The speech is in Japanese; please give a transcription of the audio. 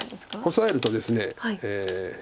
オサえるとですね